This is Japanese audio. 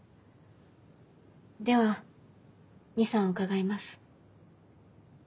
では２３伺います。